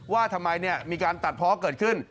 ว่าทำไมมีการตัดเพาะเกิดขึ้น